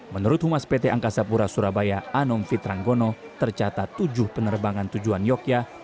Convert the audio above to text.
menurut humas pt angkasa pura surabaya anom fitranggono tercatat tujuh penerbangan tujuan yogyakarta